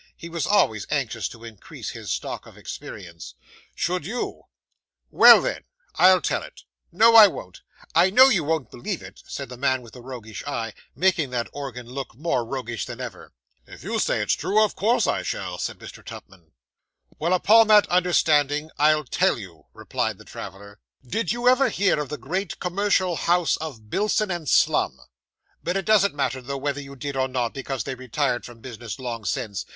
He was always anxious to increase his stock of experience. 'Should you? Well then, I'll tell it. No, I won't. I know you won't believe it,' said the man with the roguish eye, making that organ look more roguish than ever. 'If you say it's true, of course I shall,' said Mr. Tupman. 'Well, upon that understanding I'll tell you,' replied the traveller. 'Did you ever hear of the great commercial house of Bilson & Slum? But it doesn't matter though, whether you did or not, because they retired from business long since.